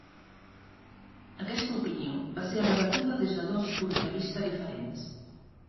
Aquesta opinió va ser rebatuda des de dos punts de vista diferents.